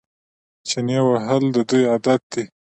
چنې وهل د دوی عادت دی.